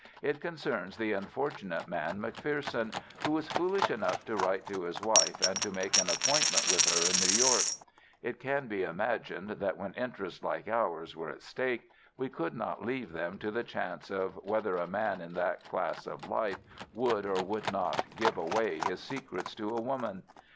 It concerns the unfortunate man McPherson, who was foolish enough to write to his wife and to make an appointment with her in New York. It can be imagined that when interests like ours were at stake, we could not leave them to the chance of whether a man in that class of life would or would not give away his secrets to a woman.